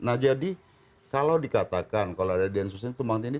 nah jadi kalau dikatakan kalau ada densus itu bangtini